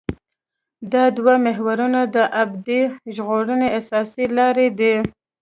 دا دوه محورونه د ابدي ژغورنې اساسي لاره دي.